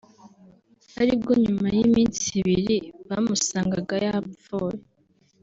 ari bwo nyuma y’iminsi ibiri bamusangaga yapfuye